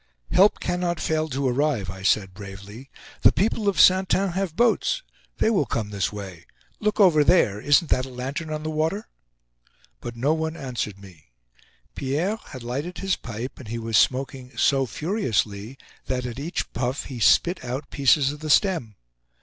"Help cannot fail to arrive," I said, bravely. "The people of Saintin have boats; they will come this way. Look over there! Isn't that a lantern on the water?" But no one answered me. Pierre had lighted his pipe, and he was smoking so furiously that, at each puff, he spit out pieces of the stem.